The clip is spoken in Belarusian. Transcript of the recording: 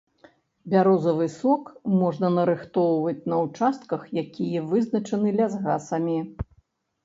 Бярозавы сок можна нарыхтоўваць на участках, якія вызначаны лясгасамі.